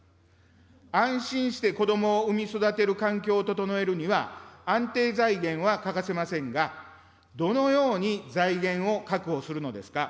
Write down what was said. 安心して子どもを産み育てる環境を整えるには安定財源は欠かせませんが、どのように財源を確保するのですか。